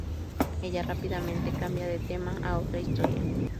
Ella rápidamente cambia de tema a otra historia.